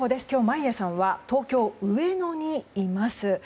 今日、眞家さんは東京・上野にいます。